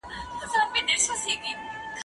کتابتون د مور له خوا پاکيږي!!